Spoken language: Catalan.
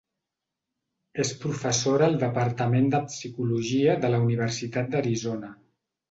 És professora al departament de psicologia de la universitat d'Arizona.